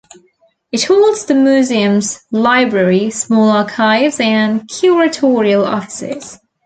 It holds the Museum's library, small archives and curatorial offices.